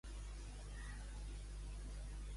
Què va preguntar Mauva en veure la noia pàl·lida?